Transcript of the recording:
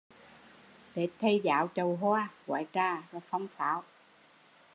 Tết Thầy giáo chậu hoa, gói trà và phong pháo